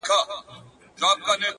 زړه چي په لاسونو کي راونغاړه!